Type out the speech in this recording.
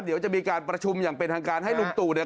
เดี๋ยวจะมีการประชุมอย่างเป็นทางการให้ลุงตู่เนี่ย